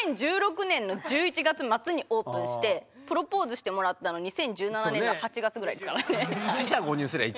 ２０１６年の１１月末にオープンしてプロポーズしてもらったの２０１７年の８月ぐらいですからね。